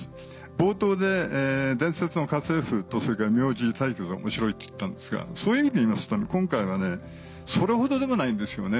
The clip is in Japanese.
冒頭で「伝説の家政婦」とそれから「名字対決」が面白いって言ったんですがそういう意味でいいますと今回はそれほどでもないんですよね